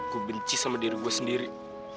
ku benci sama diri gue sendiri